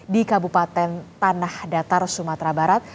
di kabupaten tanah datar sumatera barat